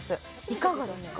いかがですか？